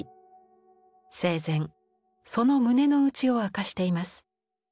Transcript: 生前その胸の内を明かしています。